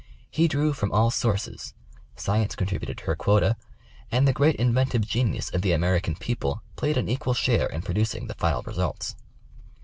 He drew from all sources. Science contributed her quota and the great inventive genius of the American people played an equal share in producing the final results.